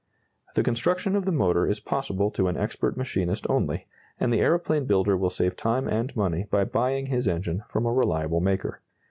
The construction of the motor is possible to an expert machinist only, and the aeroplane builder will save time and money by buying his engine from a reliable maker.